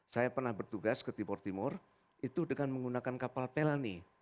saya pernah bertugas ke timur timur itu dengan menggunakan kapal pelni